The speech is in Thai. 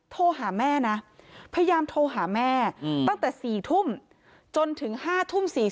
โทรหาแม่นะพยายามโทรหาแม่ตั้งแต่๔ทุ่มจนถึง๕ทุ่ม๔๐